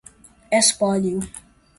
espólio